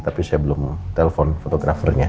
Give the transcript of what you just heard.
tapi saya belum telpon fotografernya